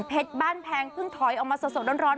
อิ่งเพชรบ้านแพงเพิ่งถอยออกมาสะสดร้อน